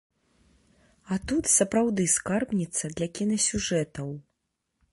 А тут, сапраўды, скарбніца для кінасюжэтаў.